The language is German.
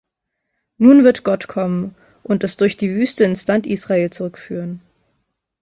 Nun wird Gott kommen und es durch die Wüste ins Land Israel zurückführen.